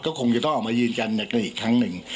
ก็คงจะต้องออกมายืนยันกันอีกครั้งหนึ่ง